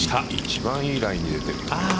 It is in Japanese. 一番いいライに入れてる。